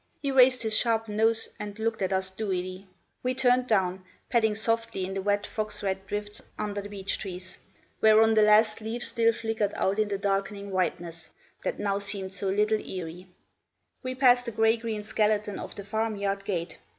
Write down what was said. He raised his sharp nose and looked at us dewily. We turned down, padding softly in the wet fox red drifts under the beechtrees, whereon the last leaves still flickered out in the darkening whiteness, that now seemed so little eerie. We passed the grey green skeleton of the farm yard gate.